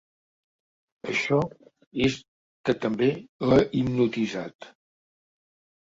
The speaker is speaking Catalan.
Això és que també l'ha hipnotitzat.